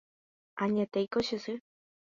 Añetéiko che sy.